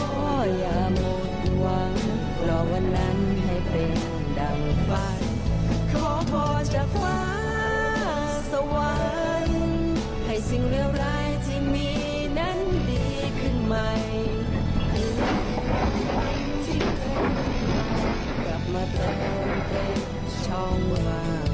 ภาพภัยหลบภาพภัยไม่หลบเหรอ